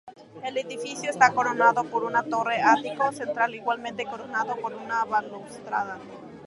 El edificio está coronado por una torre-ático central igualmente coronado por una balaustrada.